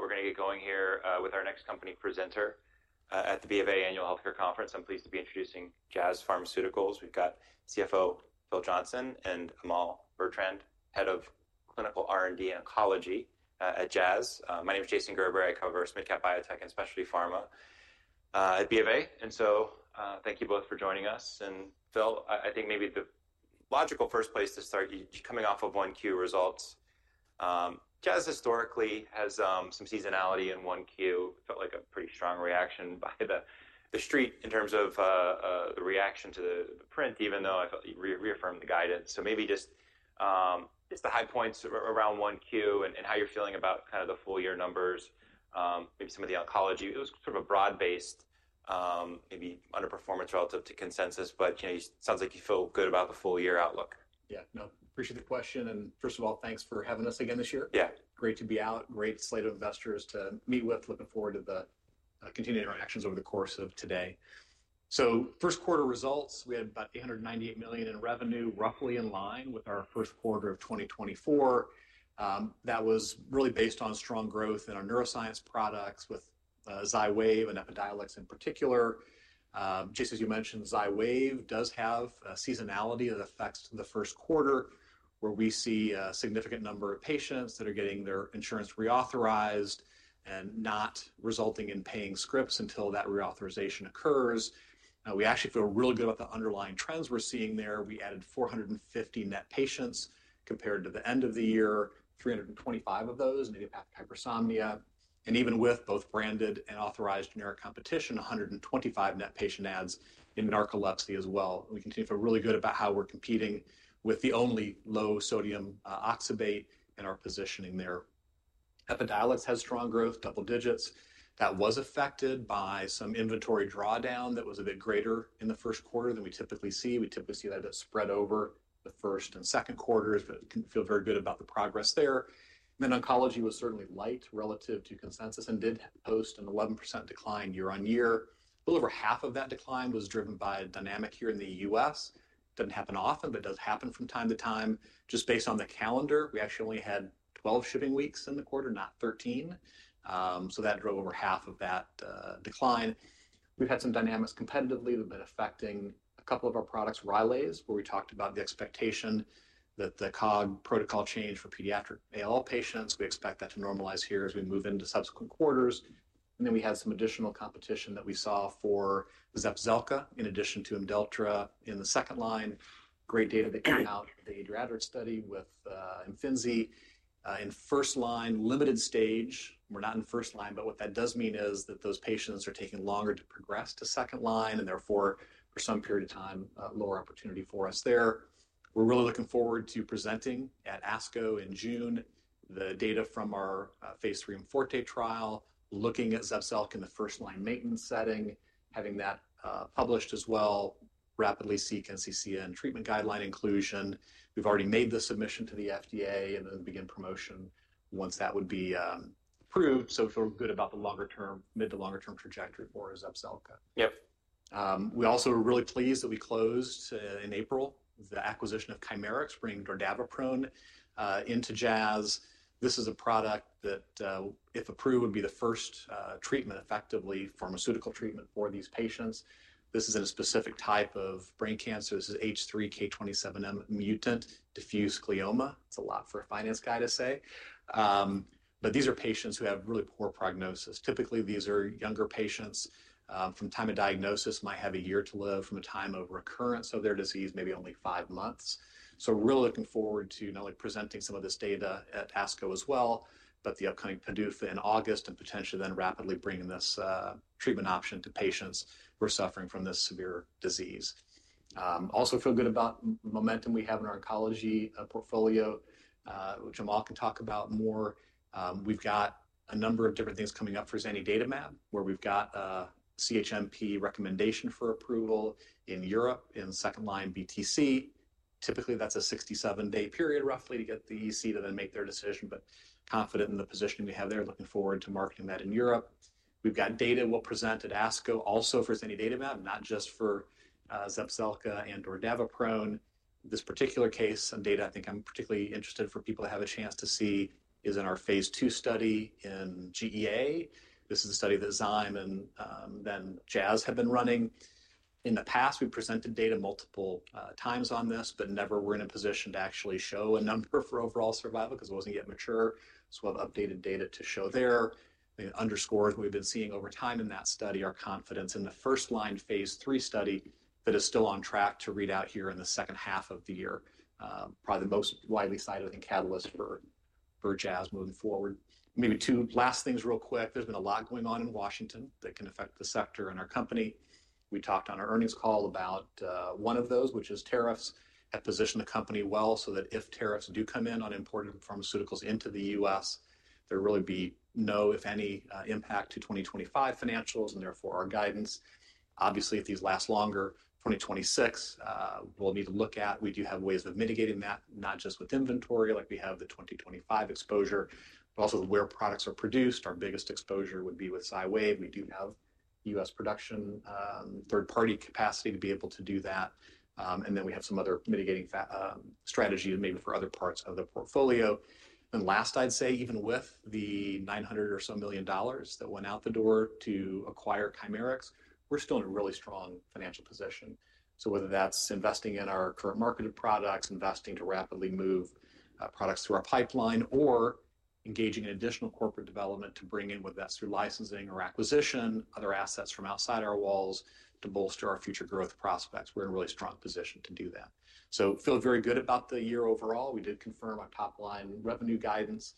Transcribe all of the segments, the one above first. We're going to get going here with our next company presenter at the B of A Annual Healthcare Conference. I'm pleased to be introducing Pharmaceuticals. We've got CFO Phil Johnson and Amal Bertrandt, Head of Clinical R&D and Oncology at Jazz. My name is Jason Gerber. I cover mid-cap biotech and specialty pharma at B of A. Thank you both for joining us. Phil, I think maybe the logical place to start, coming off of Q1 results, Jazz historically has some seasonality in Q1. It felt like a pretty strong reaction by the street in terms of the reaction to the print, even though I felt you reaffirmed the guidance. Maybe just the high points around Q1 and how you're feeling about kind of the full year numbers, maybe some of the oncology. It was sort of a broad-based, maybe underperformance relative to consensus, but it sounds like you feel good about the full year outlook. Yeah, no, appreciate the question. First of all, thanks for having us again this year. Yeah. Great to be out, great slate of investors to meet with, looking forward to the continued interactions over the course of today. 1st quarter results, we had about $898 million in revenue, roughly in line with our 1st quarter of 2024. That was really based on strong growth in our neuroscience products with Xywav and Epidiolex in particular. Jason, as you mentioned, Xywav does have a seasonality that affects the 1st quarter, where we see a significant number of patients that are getting their insurance reauthorized and not resulting in paying scripts until that reauthorization occurs. We actually feel really good about the underlying trends we're seeing there. We added 450 net patients compared to the end of the year, 325 of those maybe hypersomnia. Even with both branded and authorized generic competition, 125 net patient adds in narcolepsy as well. We continue to feel really good about how we're competing with the only low sodium oxybate and our positioning there. Epidiolex has strong growth, double digits. That was affected by some inventory drawdown that was a bit greater in the 1st quarter than we typically see. We typically see that a bit spread over the 1st and 2nd quarters, but feel very good about the progress there. Oncology was certainly light relative to consensus and did post an 11% decline year on year. A little over half of that decline was driven by a dynamic here in the U.S. Does not happen often, but does happen from time to time. Just based on the calendar, we actually only had 12 shipping weeks in the quarter, not 13. That drove over half of that decline. We've had some dynamics competitively that have been affecting a couple of our products, RYLAZE, where we talked about the expectation that the COG protocol change for pediatric ALL patients. We expect that to normalize here as we move into subsequent quarters. We had some additional competition that we saw for ZEPZELCA in addition to lurbinectedin in the second line. Great data that came out of the Adriatic study with Imfinzi in 1st line, limited stage. We're not in 1st line, but what that does mean is that those patients are taking longer to progress to second line and therefore for some period of time, lower opportunity for us there. We're really looking forward to presenting at ASCO in June, the data from our phase III ENHERTU trial, looking at ZEPZELCA in the 1st line maintenance setting, having that published as well, rapidly seek NCCN treatment guideline inclusion. We've already made the submission to the FDA and then begin promotion once that would be approved. I feel good about the longer term, mid to longer term trajectory forZEPZELCA. Yep. We also are really pleased that we closed in April the acquisition of Chimerix bringing dordaviprone into Jazz. This is a product that if approved would be the 1st treatment, effectively pharmaceutical treatment, for these patients. This is in a specific type of brain cancer. This is H3 K27M-mutant diffuse midline glioma. It's a lot for a finance guy to say. These are patients who have really poor prognosis. Typically, these are younger patients. From the time of diagnosis, might have a year to live. From a time of recurrence of their disease, maybe only five months. We are really looking forward to not only presenting some of this data at ASCO as well, but the upcoming PDUFA in August and potentially then rapidly bringing this treatment option to patients who are suffering from this severe disease. Also feel good about momentum we have in our oncology portfolio, which Amal can talk about more. We've got a number of different things coming up for zanidatamab, where we've got a CHMP recommendation for approval in Europe in 2nd line BTC. Typically, that's a 67-day period roughly to get the EC to then make their decision, but confident in the positioning we have there, looking forward to marketing that in Europe. We've got data we'll present at ASCO also for zanidatamab, not just for ZEPZELCA and dordaviprone. This particular case and data I think I'm particularly interested for people to have a chance to see is in our phase II study in GEA. This is a study that zymworks and then Jazz have been running. In the past, we've presented data multiple times on this, but never were in a position to actually show a number for overall survival because it wasn't yet mature. So we'll have updated data to show there. I think it underscores what we've been seeing over time in that study, our confidence in the 1st line phase three study that is still on track to read out here in the 2nd half of the year. Probably the most widely cited, I think, catalyst for Jazz moving forward. Maybe two last things real quick. There's been a lot going on in Washington that can affect the sector and our company. We talked on our earnings call about one of those, which is tariffs. That positions the company well so that if tariffs do come in on imported pharmaceuticals into the U.S., there really would be no, if any, impact to 2025 financials and therefore our guidance. Obviously, if these last longer, 2026, we'll need to look at. We do have ways of mitigating that, not just with inventory like we have the 2025 exposure, but also where products are produced. Our biggest exposure would be with Xywav. We do have U.S. production third-party capacity to be able to do that. We have some other mitigating strategies maybe for other parts of the portfolio. Last, I'd say even with the $900 million or so that went out the door to acquire Chimerix, we're still in a really strong financial position. Whether that's investing in our current marketed products, investing to rapidly move products through our pipeline, or engaging in additional corporate development to bring in, with that through licensing or acquisition, other assets from outside our walls to bolster our future growth prospects, we're in a really strong position to do that. I feel very good about the year overall. We did confirm our top line revenue guidance,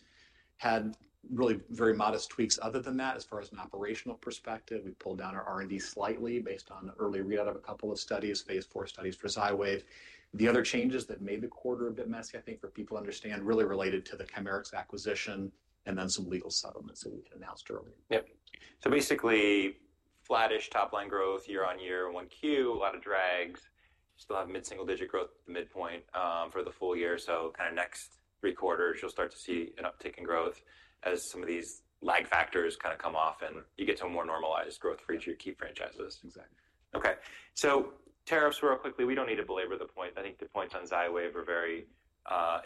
had really very modest tweaks. Other than that, as far as an operational perspective, we pulled down our R&D slightly based on early readout of a couple of studies, phase IV studies for Xywav. The other changes that made the quarter a bit messy, I think for people to understand, really related to the Chimerix acquisition and then some legal settlements that we announced earlier. Yep. So basically flattish top line growth year on year in one Q, a lot of drags. Still have mid-single digit growth at the midpoint for the full year. Kind of next three quarters, you'll start to see an uptick in growth as some of these lag factors kind of come off and you get to a more normalized growth rate for your key franchises. Exactly. Okay. Tariffs real quickly, we do not need to belabor the point. I think the points on Xywav are very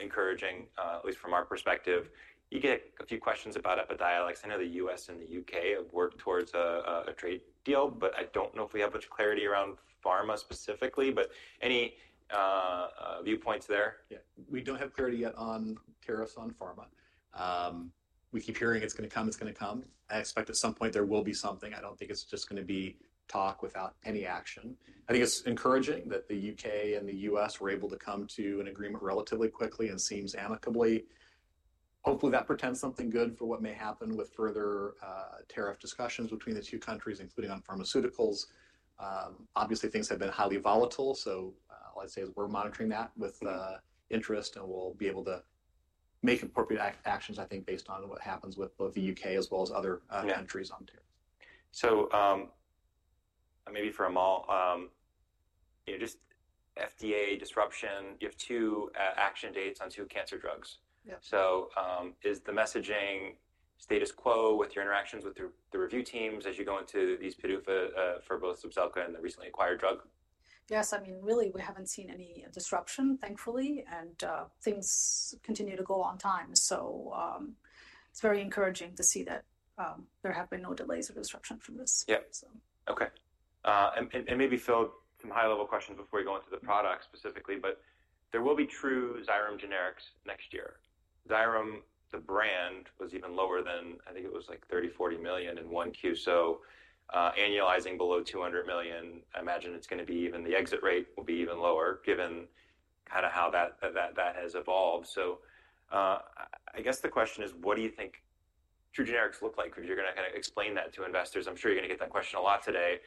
encouraging, at least from our perspective. You get a few questions about Epidiolex. I know the U.S. and the U.K. have worked towards a trade deal, but I do not know if we have much clarity around pharma specifically, but any viewpoints there? Yeah. We do not have clarity yet on tariffs on pharma. We keep hearing it is going to come, it is going to come. I expect at some point there will be something. I do not think it is just going to be talk without any action. I think it is encouraging that the U.K. and the U.S. were able to come to an agreement relatively quickly and seems amicably. Hopefully that portends something good for what may happen with further tariff discussions between the two countries, including on pharmaceuticals. Obviously, things have been highly volatile. All I would say is we are monitoring that with interest and we will be able to make appropriate actions, I think, based on what happens with both the U.K. as well as other countries on tariffs. Maybe for Amal, just FDA disruption, you have two action dates on two cancer drugs. Is the messaging status quo with your interactions with the review teams as you go into these PDUFA for both ZEPZELCA and the recently acquired drug? Yes. I mean, really, we haven't seen any disruption, thankfully, and things continue to go on time. It is very encouraging to see that there have been no delays or disruption from this. Yep. Okay. Maybe fill some high-level questions before we go into the products specifically, but there will be true Xyrem generics next year. Xyrem, the brand was even lower than, I think it was like $30 million, $40 million in one Q. Annualizing below $200 million, I imagine it's going to be even the exit rate will be even lower given kind of how that has evolved. I guess the question is, what do you think true generics look like? If you're going to kind of explain that to investors, I'm sure you're going to get that question a lot today.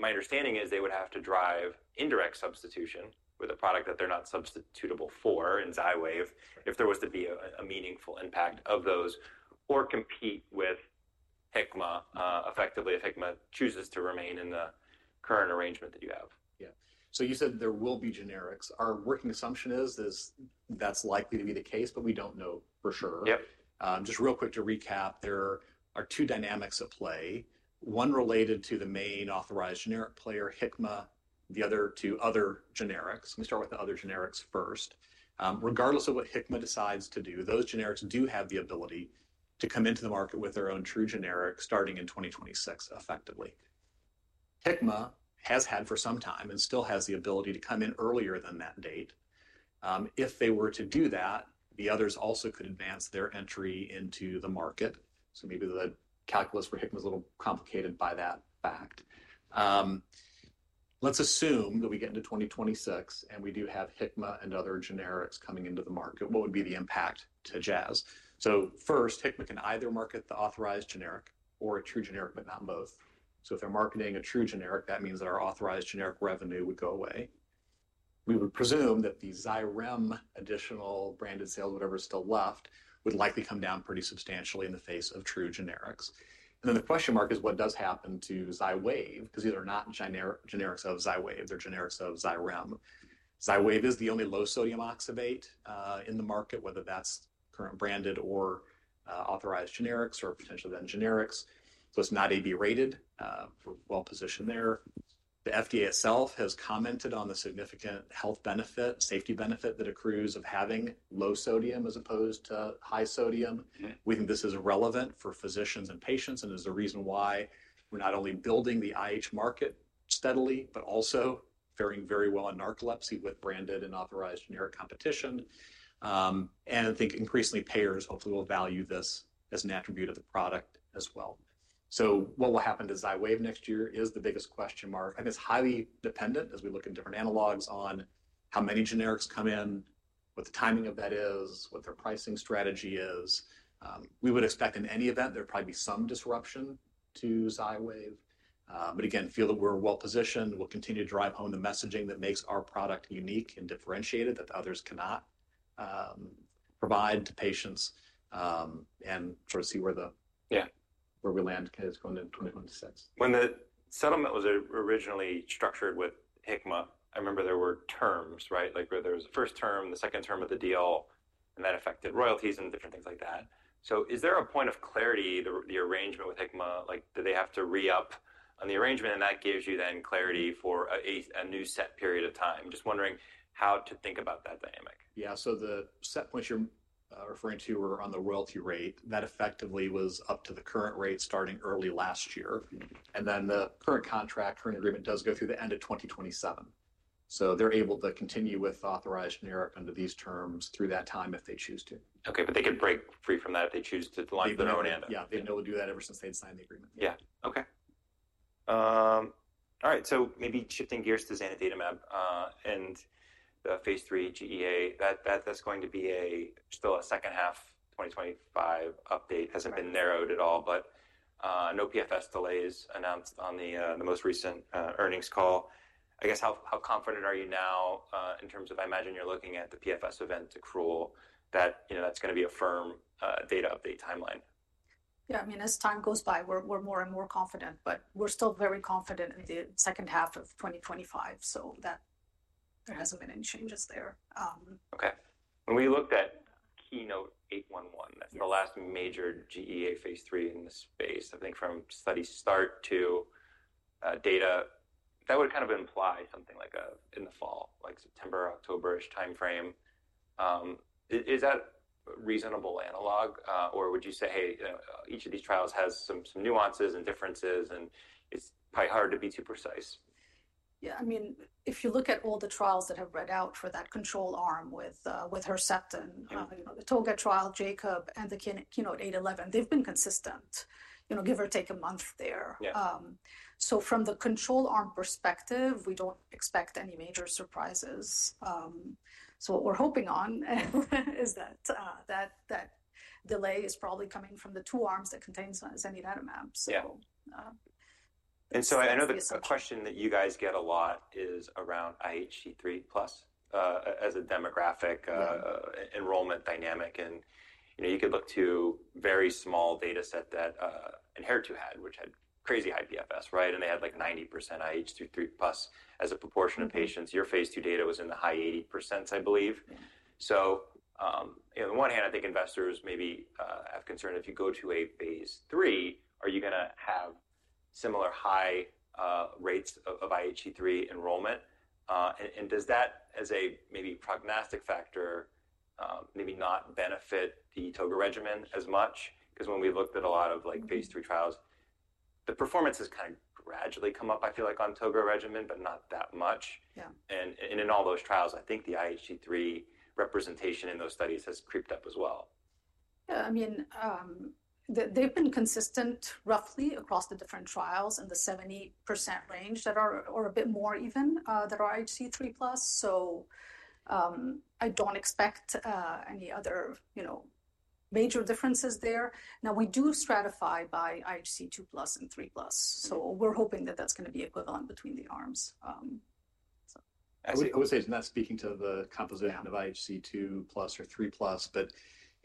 My understanding is they would have to drive indirect substitution with a product that they're not substitutable for in Xywav if there was to be a meaningful impact of those or compete with Hikma effectively if Hikma chooses to remain in the current arrangement that you have. Yeah. You said there will be generics. Our working assumption is that's likely to be the case, but we don't know for sure. Just real quick to recap, there are two dynamics at play. One related to the main authorized generic player, Hikma, the other to other generics. Let me start with the other generics 1st. Regardless of what Hikma decides to do, those generics do have the ability to come into the market with their own true generic starting in 2026 effectively. Hikma has had for some time and still has the ability to come in earlier than that date. If they were to do that, the others also could advance their entry into the market. Maybe the calculus for Hikma is a little complicated by that fact. Let's assume that we get into 2026 and we do have Hikma and other generics coming into the market. What would be the impact to Jazz? 1st, Hikma can either market the authorized generic or a true generic, but not both. If they are marketing a true generic, that means that our authorized generic revenue would go away. We would presume that the Xyrem additional branded sales, whatever is still left, would likely come down pretty substantially in the face of true generics. The question mark is what does happen to Xywav because these are not generics of Xywav. They are generics of Xyrem. Xywav is the only low sodium oxybate in the market, whether that is current branded or authorized generics or potentially then generics. It is not AB rated, well positioned there. The FDA itself has commented on the significant health benefit, safety benefit that accrues of having low sodium as opposed to high sodium. We think this is relevant for physicians and patients and is the reason why we're not only building the IH market steadily, but also faring very well in narcolepsy with branded and authorized generic competition. I think increasingly payers hopefully will value this as an attribute of the product as well. What will happen to Xywav next year is the biggest question mark. I think it's highly dependent as we look at different analogs on how many generics come in, what the timing of that is, what their pricing strategy is. We would expect in any event there'd probably be some disruption to Xywav. Again, feel that we're well positioned. We'll continue to drive home the messaging that makes our product unique and differentiated that others cannot provide to patients and sort of see where we land going in 2026. When the settlement was originally structured with Hikma, I remember there were terms, right? Like there was a 1st term, the 2nd term of the deal, and that affected royalties and different things like that. Is there a point of clarity, the arrangement with Hikma, like do they have to re-up on the arrangement and that gives you then clarity for a new set period of time? Just wondering how to think about that dynamic. Yeah. The set points you're referring to were on the royalty rate. That effectively was up to the current rate starting early last year. The current contract, current agreement does go through the end of 2027. They're able to continue with authorized generic under these terms through that time if they choose to. Okay. They could break free from that if they choose to decline their own end. Yeah. They know to do that ever since they had signed the agreement. Yeah. Okay. All right. So maybe shifting gears to zanidatamab and the phase III GEA, that's going to be still a 2nd half 2025 update. Hasn't been narrowed at all, but no PFS delays announced on the most recent earnings call. I guess how confident are you now in terms of, I imagine you're looking at the PFS event to accrual that that's going to be a firm data update timeline? Yeah. I mean, as time goes by, we're more and more confident, but we're still very confident in the 2nd half of 2025. There hasn't been any changes there. Okay. When we looked at KEYNOTE-811, that's the last major GEA phase III in the space, I think from study start to data, that would kind of imply something like in the fall, like September, October-ish timeframe. Is that a reasonable analog or would you say, hey, each of these trials has some nuances and differences and it's probably hard to be too precise? Yeah. I mean, if you look at all the trials that have read out for that control arm with Herceptin, the TOGA trial, JACOB, and the KEYNOTE-811, they've been consistent, give or take a month there. From the control arm perspective, we don't expect any major surprises. What we're hoping on is that that delay is probably coming from the two arms that contain zanidatamab. I know that a question that you guys get a lot is around IHC 3+ as a demographic enrollment dynamic. You could look to a very small data set that Enhertu had, which had crazy high PFS, right? They had like 90% IHC 3+ as a proportion of patients. Your phase II data was in the high 80%s, I believe. On the one hand, I think investors maybe have concern if you go to a phase III, are you going to have similar high rates of IHC 3+ enrollment? Does that as a maybe prognostic factor maybe not benefit the Toga regimen as much? When we looked at a lot of phase III trials, the performance has kind of gradually come up, I feel like, on Toga regimen, but not that much. In all those trials, I think the IHC 3+ representation in those studies has creeped up as well. Yeah. I mean, they've been consistent roughly across the different trials in the 70% range that are, or a bit more even, that are IHC 3+. I don't expect any other major differences there. Now we do stratify by IHC 2+ and 3+. We're hoping that that's going to be equivalent between the arms. I would say it's not speaking to the composition of IHC 2+ or 3+, but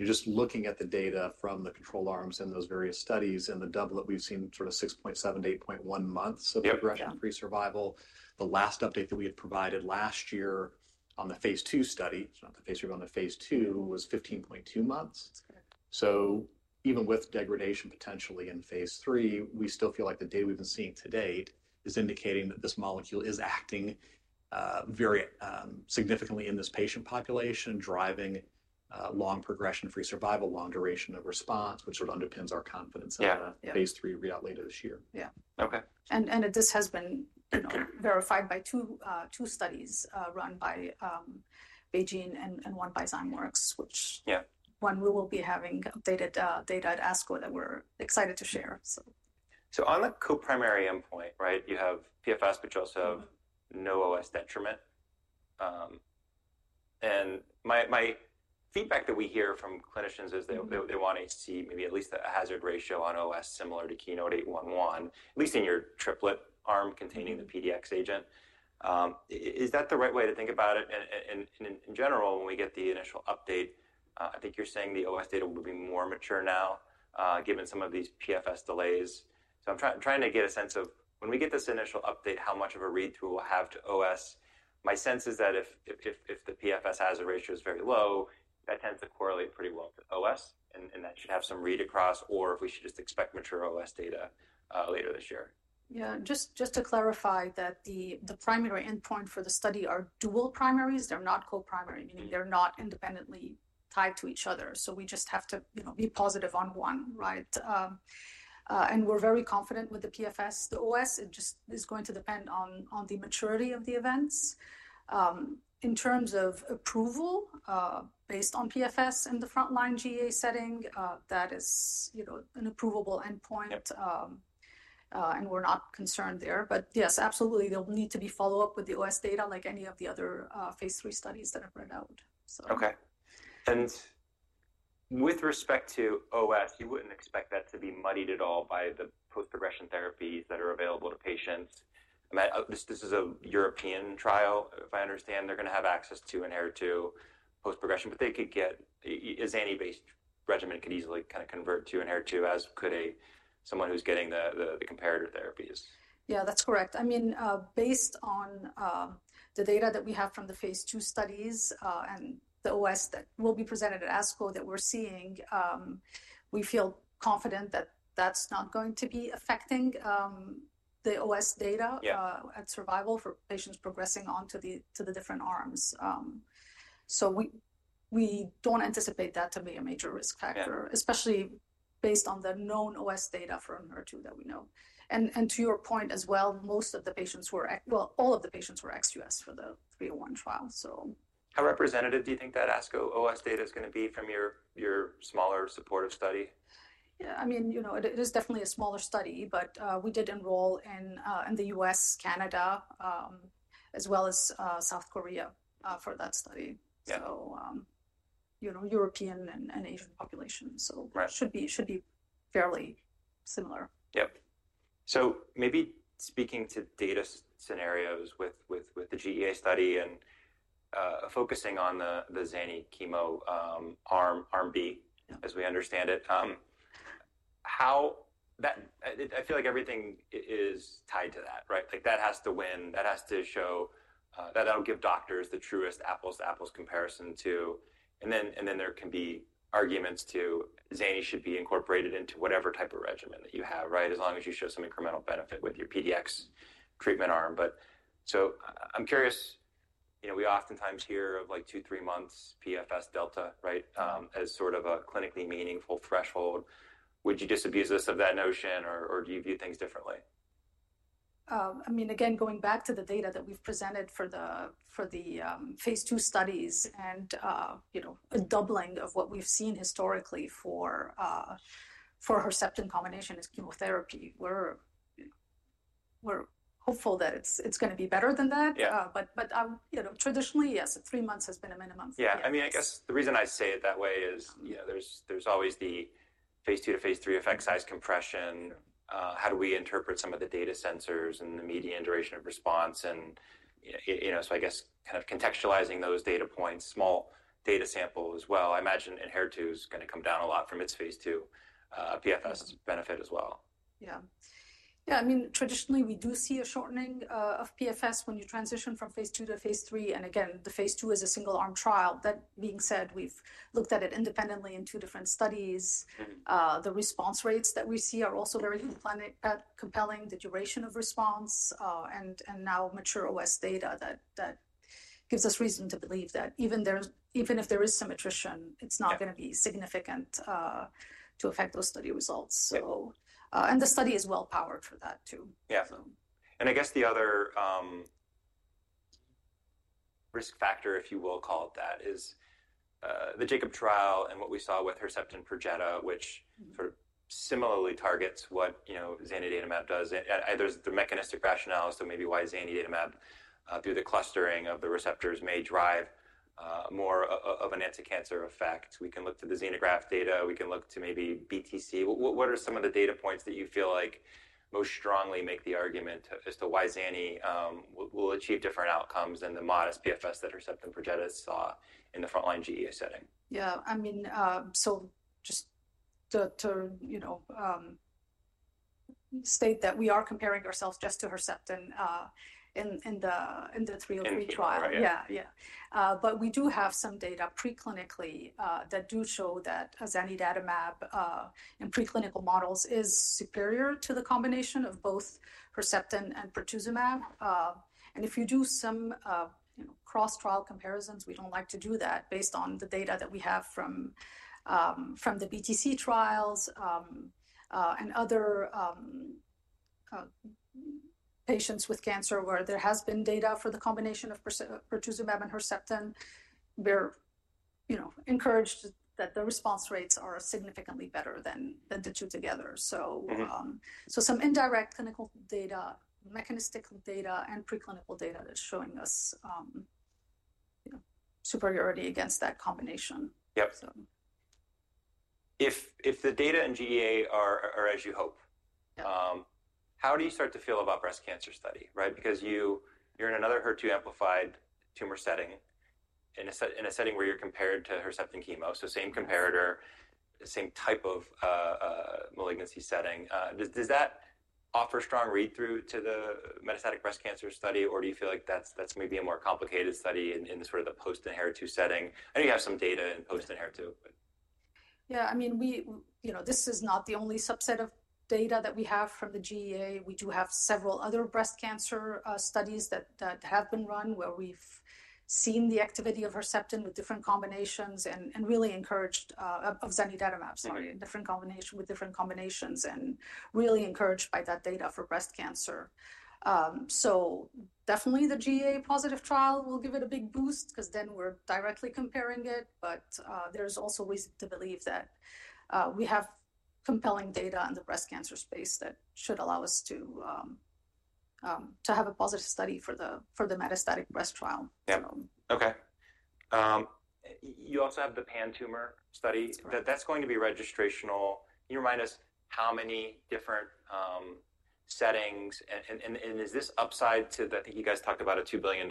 just looking at the data from the control arms and those various studies and the double that we've seen, sort of 6.7-8.1 months of progression-free survival. The last update that we had provided last year on the phase II study, not the phase III but on the phase II, was 15.2 months. Even with degradation potentially in phase III, we still feel like the data we've been seeing to date is indicating that this molecule is acting very significantly in this patient population, driving long progression-free survival, long duration of response, which sort of underpins our confidence in the phase III readout later this year. Yeah. Okay. This has been verified by two studies run by BeiGene and one by Zymeworks, which one we will be having updated data at ASCO that we're excited to share. On the co-primary endpoint, right, you have PFS, but you also have no OS detriment. My feedback that we hear from clinicians is they want to see maybe at least a hazard ratio on OS similar to Keynote 811, at least in your triplet arm containing the PDX agent. Is that the right way to think about it? In general, when we get the initial update, I think you're saying the OS data will be more mature now given some of these PFS delays. I'm trying to get a sense of when we get this initial update, how much of a read through we'll have to OS. My sense is that if the PFS hazard ratio is very low, that tends to correlate pretty well to OS and that should have some read across or if we should just expect mature OS data later this year. Yeah. Just to clarify that the primary endpoint for the study are dual primaries. They're not co-primary, meaning they're not independently tied to each other. So we just have to be positive on one, right? And we're very confident with the PFS. The OS, it just is going to depend on the maturity of the events. In terms of approval based on PFS in the frontline GEA setting, that is an approvable endpoint and we're not concerned there. Yes, absolutely, there will need to be follow-up with the OS data like any of the other phase III studies that have read out. Okay. With respect to OS, you would not expect that to be muddied at all by the post-progression therapies that are available to patients. This is a European trial, if I understand. They are going to have access to Enhertu post-progression, but they could get a Xyrem-based regimen, could easily kind of convert to Enhertu, as could someone who is getting the comparator therapies. Yeah, that's correct. I mean, based on the data that we have from the phase II studies and the OS that will be presented at ASCO that we're seeing, we feel confident that that's not going to be affecting the OS data at survival for patients progressing on to the different arms. We do not anticipate that to be a major risk factor, especially based on the known OS data for Enhertu that we know. To your point as well, most of the patients were, well, all of the patients were ex-U.S. for the 301 trial. How representative do you think that ASCO OS data is going to be from your smaller supportive study? Yeah. I mean, it is definitely a smaller study, but we did enroll in the U.S., Canada as well as South Korea for that study. European and Asian populations. It should be fairly similar. Yep. Maybe speaking to data scenarios with the GEA study and focusing on the zanidatamab, chemo arm B as we understand it, I feel like everything is tied to that, right? That has to win, that has to show, that will give doctors the truest apples-to-apples comparison too. There can be arguments that zanidatamab should be incorporated into whatever type of regimen that you have, right? As long as you show some incremental benefit with your PDX treatment arm. I'm curious, we oftentimes hear of like two, three months PFS delta, right? As sort of a clinically meaningful threshold. Would you disabuse us of that notion or do you view things differently? I mean, again, going back to the data that we've presented for the phase two studies and a doubling of what we've seen historically for Herceptin combination as chemotherapy, we're hopeful that it's going to be better than that. Traditionally, yes, three months has been a minimum for that. Yeah. I mean, I guess the reason I say it that way is there's always the phase II to phase III effect size compression. How do we interpret some of the data sensors and the median duration of response? And so I guess kind of contextualizing those data points, small data sample as well. I imagine Enhertu is going to come down a lot from its phase II PFS benefit as well. Yeah. Yeah. I mean, traditionally, we do see a shortening of PFS when you transition from phase II to phase III. I mean, the phase II is a single-arm trial. That being said, we've looked at it independently in two different studies. The response rates that we see are also very compelling. The duration of response and now mature OS data that gives us reason to believe that even if there is some attrition, it's not going to be significant to affect those study results. The study is well powered for that too. Yeah. I guess the other risk factor, if you will call it that, is the JACOB trial and what we saw with Herceptin Perjeta, which sort of similarly targets what zanidatamab does. There's the mechanistic rationale. Maybe why zanidatamab, through the clustering of the receptors, may drive more of an anti-cancer effect. We can look to the xenograft data. We can look to maybe BTC. What are some of the data points that you feel like most strongly make the argument as to why zanidatamab will achieve different outcomes than the modest PFS that Herceptin Perjeta saw in the frontline GEA setting? Yeah. I mean, just to state that we are comparing ourselves just to Herceptin in the 303 trial. Yeah. Yeah. But we do have some data preclinically that do show that zanidatamab in preclinical models is superior to the combination of both Herceptin and Perjeta. If you do some cross-trial comparisons, we do not like to do that, but based on the data that we have from the BTC trials and other patients with cancer where there has been data for the combination of Perjeta and Herceptin, we are encouraged that the response rates are significantly better than the two together. Some indirect clinical data, mechanistic data, and preclinical data are showing us superiority against that combination. Yep. If the data in GEA are as you hope, how do you start to feel about the breast cancer study, right? Because you are in another HER2-amplified tumor setting in a setting where you are compared to Herceptin chemo. Same comparator, same type of malignancy setting. Does that offer strong read-through to the metastatic breast cancer study, or do you feel like that is maybe a more complicated study in sort of the post-Enhertu setting? I know you have some data in post-Enhertu. Yeah. I mean, this is not the only subset of data that we have from the GEA. We do have several other breast cancer studies that have been run where we've seen the activity of Herceptin with different combinations and really encouraged of zanidatamab, sorry, different combination with different combinations and really encouraged by that data for breast cancer. Definitely the GEA positive trial will give it a big boost because then we're directly comparing it. There is also reason to believe that we have compelling data in the breast cancer space that should allow us to have a positive study for the metastatic breast trial. Yep. Okay. You also have the pan tumor study. That's going to be registrational. Can you remind us how many different settings? And is this upside to the, I think you guys talked about a $2 billion,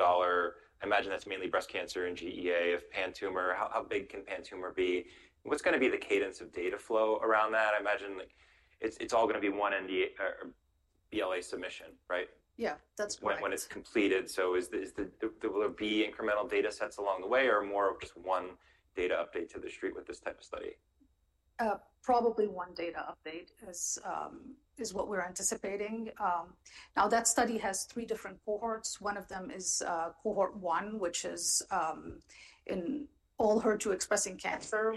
I imagine that's mainly breast cancer and GEA. Of pan tumor, how big can pan tumor be? What's going to be the cadence of data flow around that? I imagine it's all going to be one in the BLA submission, right? Yeah. That's correct. When it's completed. Will there be incremental data sets along the way or more of just one data update to the street with this type of study? Probably one data update is what we're anticipating. Now that study has three different cohorts. One of them is cohort one, which is in all HER2-expressing cancer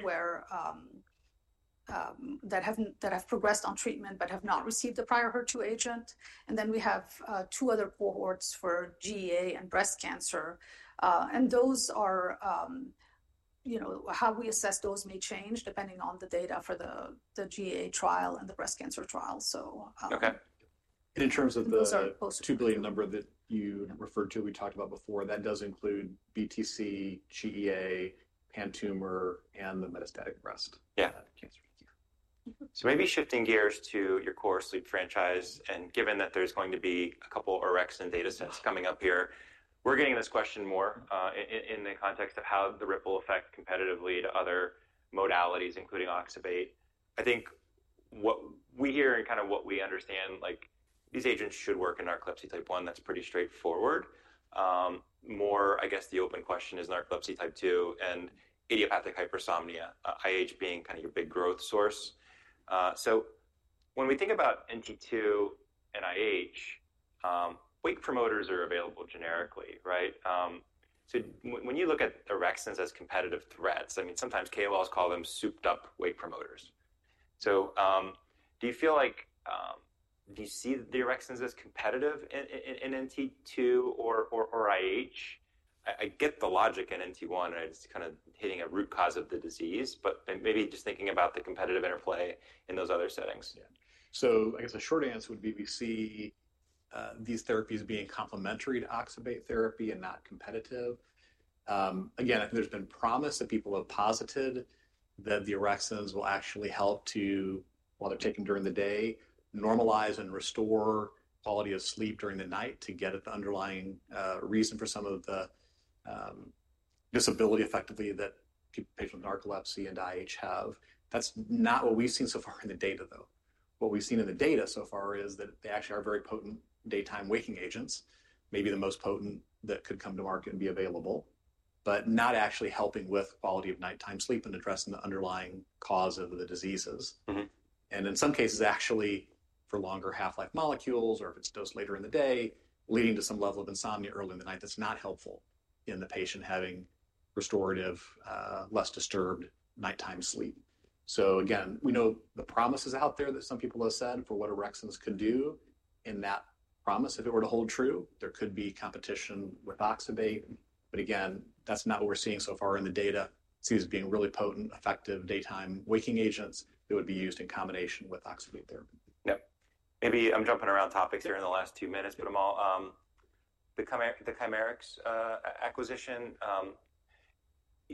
that have progressed on treatment but have not received the prior HER2 agent. We have two other cohorts for GEA and breast cancer. Those are how we assess those may change depending on the data for the GEA trial and the breast cancer trial. Okay. In terms of the $2 billion number that you referred to, we talked about before, that does include BTC, GEA, pan tumor, and the metastatic breast cancer. Maybe shifting gears to your core sleep franchise. Given that there's going to be a couple of orexin data sets coming up here, we're getting this question more in the context of how the ripple effect competitively to other modalities, including oxybate. I think what we hear and kind of what we understand, these agents should work in narcolepsy type 1. That's pretty straightforward. More, I guess the open question is narcolepsy type 2 and idiopathic hypersomnia, IH being kind of your big growth source. When we think about NT2 and IH, wake promoters are available generically, right? When you look at orexins as competitive threats, I mean, sometimes KOLs call them souped-up wake promoters. Do you feel like, do you see the orexins as competitive in NT2 or IH? I get the logic in NT1 and it is kind of hitting a root cause of the disease, but maybe just thinking about the competitive interplay in those other settings. Yeah. I guess the short answer would be we see these therapies being complementary to oxybate therapy and not competitive. Again, I think there's been promise that people have posited that the orexins will actually help to, while they're taken during the day, normalize and restore quality of sleep during the night to get at the underlying reason for some of the disability effectively that patients with narcolepsy and IH have. That's not what we've seen so far in the data, though. What we've seen in the data so far is that they actually are very potent daytime waking agents, maybe the most potent that could come to market and be available, but not actually helping with quality of nighttime sleep and addressing the underlying cause of the diseases. In some cases, actually for longer half-life molecules or if it's dosed later in the day, leading to some level of insomnia early in the night, that's not helpful in the patient having restorative, less disturbed nighttime sleep. Again, we know the promises out there that some people have said for what orexins could do in that promise. If it were to hold true, there could be competition with oxybate. Again, that's not what we're seeing so far in the data. It seems being really potent, effective daytime waking agents that would be used in combination with oxybate therapy. Yep. Maybe I'm jumping around topics here in the last two minutes, but the Chimerix acquisition,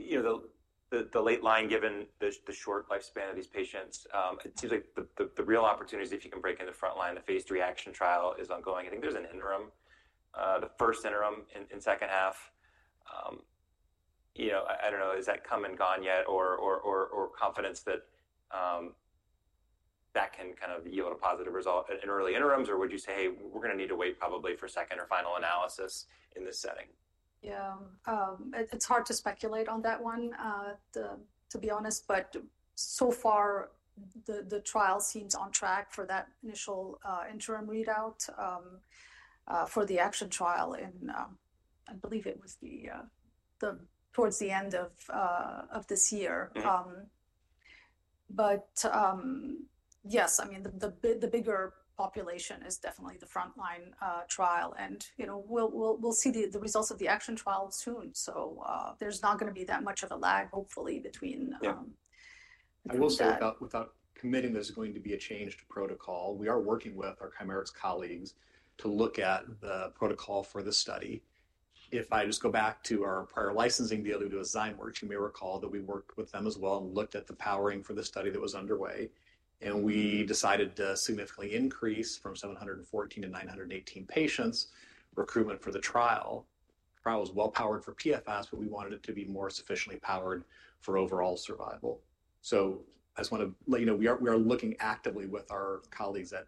the late line given the short lifespan of these patients, it seems like the real opportunity is if you can break into the frontline, the phase III ACTION trial is ongoing. I think there's an interim, the 1st interim in 2nd half. I don't know, has that come and gone yet or confidence that that can kind of yield a positive result in early interims? Or would you say, hey, we're going to need to wait probably for second or final analysis in this setting? Yeah. It's hard to speculate on that one, to be honest. So far, the trial seems on track for that initial interim readout for the ACTION trial. I believe it was towards the end of this year. Yes, I mean, the bigger population is definitely the frontline trial. We'll see the results of the ACTION trial soon. There's not going to be that much of a lag, hopefully, between the two trials. I will say without committing, there's going to be a change to protocol. We are working with our Chimerix colleagues to look at the protocol for the study. If I just go back to our prior licensing deal to do with Zymworks, you may recall that we worked with them as well and looked at the powering for the study that was underway. We decided to significantly increase from 714 to 918 patients recruitment for the trial. The trial was well powered for PFS, but we wanted it to be more sufficiently powered for overall survival. I just want to let you know we are looking actively with our colleagues at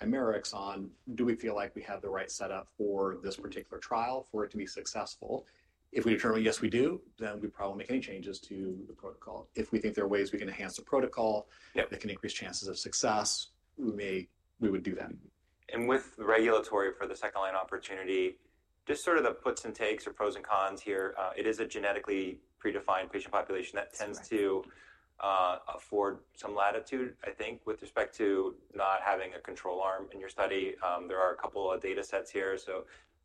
Chimerix on, do we feel like we have the right setup for this particular trial for it to be successful? If we determine, yes, we do, then we probably won't make any changes to the protocol. If we think there are ways we can enhance the protocol that can increase chances of success, we would do that. With the regulatory for the second line opportunity, just sort of the puts and takes or pros and cons here, it is a genetically predefined patient population that tends to afford some latitude, I think, with respect to not having a control arm in your study. There are a couple of data sets here.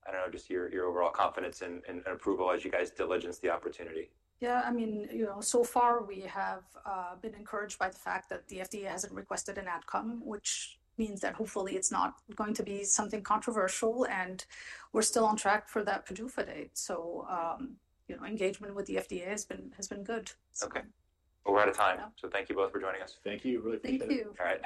I do not know, just your overall confidence and approval as you guys diligence the opportunity. Yeah. I mean, so far, we have been encouraged by the fact that the FDA hasn't requested an outcome, which means that hopefully it's not going to be something controversial. We are still on track for that PDUFA date. Engagement with the FDA has been good. Okay. We are out of time. So thank you both for joining us. Thank you. Really appreciate it. Thank you. All right.